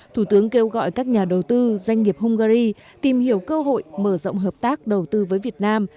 thủ tướng kêu gọi các nhà đầu tư doanh nghiệp hungary tìm hiểu cơ hội mở rộng hợp tác đầu tư với việt nam